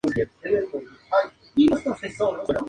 Su superficie ventral es gris con moteado gris oscuro.